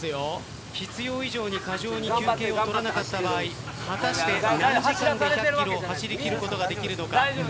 必要以上に過剰に休憩を取らなかった場合果たして何時間で１００ｋｍを走り切ることができるのか。